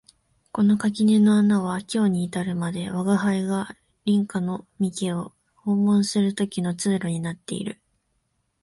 この垣根の穴は今日に至るまで吾輩が隣家の三毛を訪問する時の通路になっている